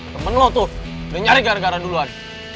temen lo tuh udah nyari gara gara duluan